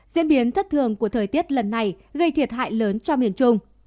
diễn biến thất thường của thời tiết lần này gây thiệt hại lớn cho miền trung